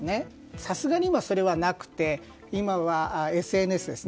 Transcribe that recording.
さすがに今、それはなくて今はＳＮＳですね。